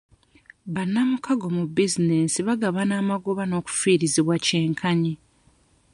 Bannamukago mu bizinensi bagabana amagoba n'okufiirizibwa kyenkanyi.